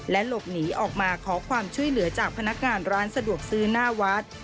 หลบหนีออกมาขอความช่วยเหลือจากพนักงานร้านสะดวกซื้อหน้าวัด